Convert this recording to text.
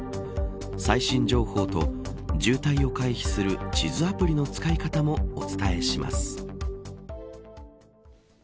最新情報と渋滞を回避する地図アプリの使い方もお伝えします。